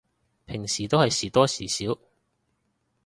平時都係時多時少